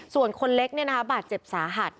ส่วนคนเล็กบาดเจ็บสาหัส